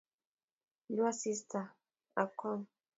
Luu asista akmm